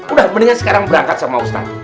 udah mendingan sekarang berangkat sama ustadz